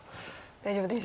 大丈夫です。